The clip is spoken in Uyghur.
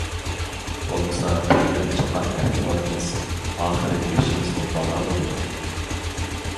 بولمىسا تەربىيەلەپ چىققان ئەركە بالىمىز ئاخىرى بېشىمىزغا بالا بولىدۇ.